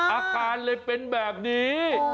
อาการเลยเป็นแบบนี้